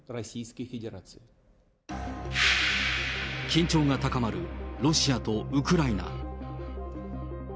緊張が高まるロシアとウクライナ。